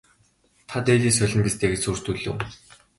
Та дээлээ солино биз гэж сүрдүүлэв.